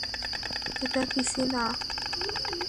এটা কিসি না।